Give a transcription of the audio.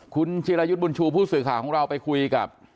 คุณจิรายุทธ์บุญชูผู้สื่อข่าวของเราไปคุยกับ